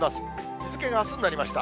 日付があすになりました。